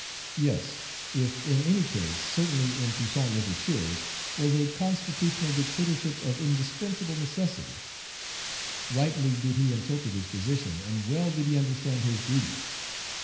Page 137 Yes; if in any case, certainly in Toussaint L'Ouverture's, was a constitutional dictatorship of indispensable necessity. Rightly did he interpret his position, and well did he understand his duties.